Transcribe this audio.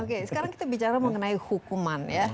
oke sekarang kita bicara mengenai hukuman ya